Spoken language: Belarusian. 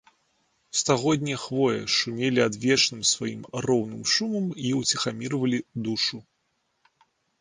Стагоднія хвоі шумелі адвечным сваім роўным шумам і ўціхамірвалі душу.